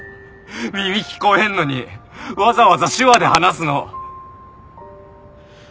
耳聞こえんのにわざわざ手話で話すの。